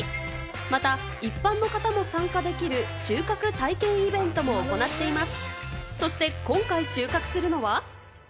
また一般の方も参加できる収穫体験イベントも行っています。